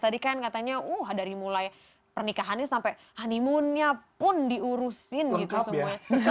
tadi kan katanya wah dari mulai pernikahannya sampai honeymoonnya pun diurusin gitu semuanya